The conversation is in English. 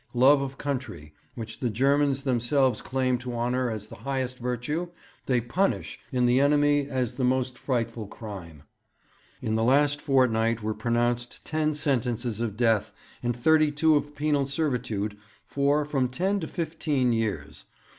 Love of country, which the Germans themselves claim to honour as the highest virtue, they punish in the enemy as the most frightful crime. 'In the last fortnight were pronounced ten sentences of death and thirty two of penal servitude for from ten to fifteen years.